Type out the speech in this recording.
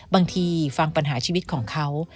บางทีฟังปัญหาชีวิตของเขา